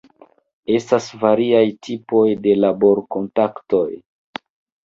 Estas variaj tipoj de labor-kontraktoj.